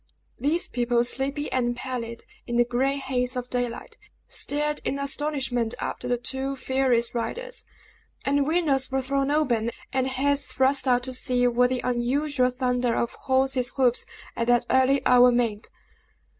These people, sleepy and pallid in the gray haze of daylight, stared in astonishment after the two furious riders; and windows were thrown open, and heads thrust out to see what the unusual thunder of horses' hoofs at that early hour meant.